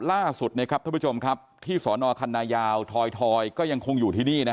ล่าสุดเนี้ยครับท่านผู้ชมครับที่สรขนาดยาวทอยทอยเขาก็ยังคงอยู่ที่นี้นะคะ